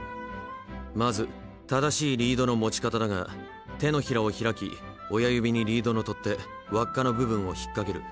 まず正しいリードの持ち方だが手のひらを開き親指にリードの取っ手輪っかの部分を引っ掛ける。